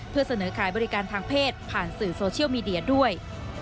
เพื่อเสนอขายบริการทางเพศผ่านสื่อโซเชียลมีเดียด้วย